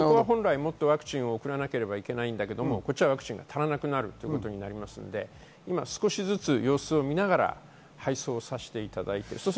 ワクチンを送らなきゃいけないんだけれども、ワクチンが足らなくなるということになるので少しずつ様子を見ながら配送させていただいています。